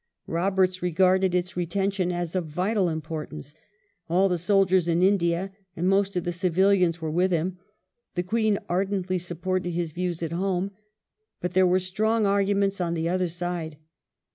Roberts regarded its retention as of " vital importance ". All the soldiers in India and most of the civilians were with him. The Queen ardently supported his views at home. But there were strong arguments on the other side.